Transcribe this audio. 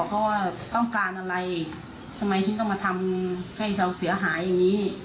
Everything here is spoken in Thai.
เพราะว่าต้องการอะไรทำไมที่ต้องมาทำให้เราเสียหายอย่างนี้